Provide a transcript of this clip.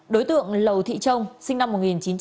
đối tượng lầu thị trông sinh năm một nghìn chín trăm tám mươi